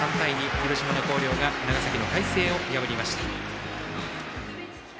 広島の広陵が長崎の海星を破りました。